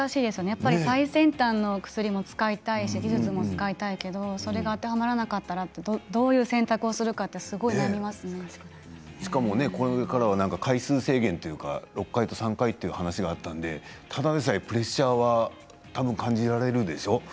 やっぱり最先端の薬の技術も使いたいけれどもそれが当てはまらなかったらどういう選択をするのかしかも、これからは回数制限というか６回と３回というお話があったのでただでさえプレッシャーは感じられるでしょう？